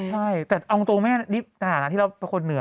ใช่แต่เอาตัวแม่นิดหน่าที่เราเป็นคนเหนือ